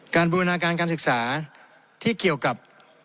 บูรณาการการศึกษาที่เกี่ยวกับ